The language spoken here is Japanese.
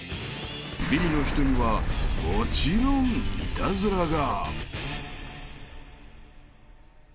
［ビリの人にはもちろんイタズラが］